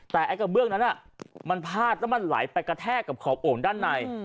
แต่ไอ้กระเบื้องนั้นมันพาดแล้วมันไหลไปกระแทกกับขอบโอ่งด้านใน